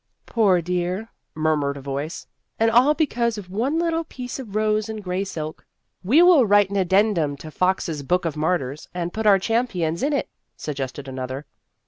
" Poor dear !" murmured a voice, " and all because of one little piece of rose and gray silk." " We will write an addendum to Fox's Book of Martyrs, and put our champions in it," suggested another.